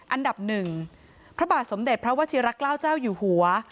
อันดับหนึ่งพระบาทสมเด็จพระวชิระเกล้าเจ้าอยู่หัว